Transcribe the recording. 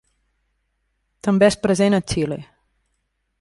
També és present a Xile.